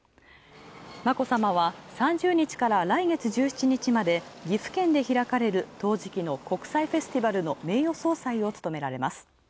眞子さまは３０日から来月１７日まで岐阜県で開かれる陶磁器の名誉総裁を務められます。